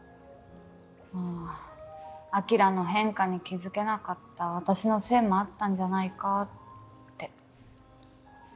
まあ晶の変化に気付けなかった私のせいもあったんじゃないかって。